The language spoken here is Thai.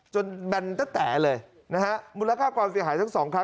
จนแบนแตะเลยนะคะมูลค่ากว่าเมื่อฝี่หายซ้องครั้ง